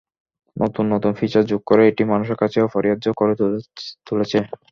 নতুন নতুন ফিচার যোগ করে এটি মানুষের কাছে অপরিহার্য করে তুলেছে।